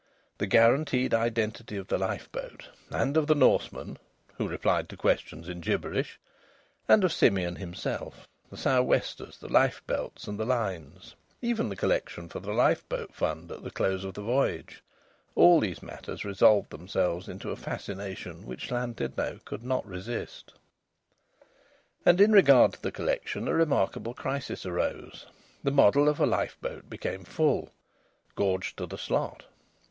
The guaranteed identity of the lifeboat, and of the Norsemen (who replied to questions in gibberish), and of Simeon himself; the sou'westers, the life belts and the lines; even the collection for the Lifeboat Fund at the close of the voyage: all these matters resolved themselves into a fascination which Llandudno could not resist. And in regard to the collection, a remarkable crisis arose. The model of a lifeboat became full, gorged to the slot.